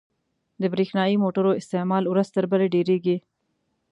• د برېښنايي موټرو استعمال ورځ تر بلې ډېرېږي.